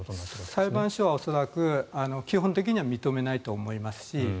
裁判所は恐らく基本的には認めないと思いますし。